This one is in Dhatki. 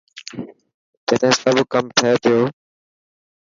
چڏهن سب ڪم ٿي پيو.